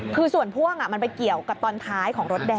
คือส่วนพ่วงมันไปเกี่ยวกับตอนท้ายของรถแดง